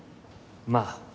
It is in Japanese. まあ。